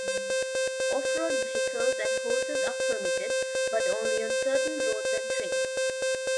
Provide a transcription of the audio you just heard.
Off-road vehicles and horses are permitted, but only on certain roads and trails.